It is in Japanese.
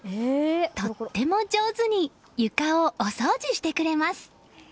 とっても上手に床をお掃除してくれます。